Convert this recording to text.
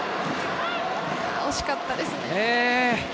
惜しかったですね。